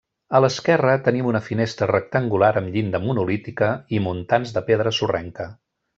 A l'esquerra tenim una finestra rectangular amb llinda monolítica i muntants de pedra sorrenca.